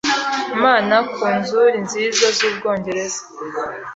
Imana Ku nzuri nziza zubwongereza